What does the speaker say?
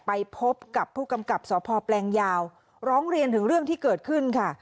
ไปพบกับผู้กำกับสพแปลงยาวร้องเรียนถึงเรื่องที่เกิดขึ้นค่ะ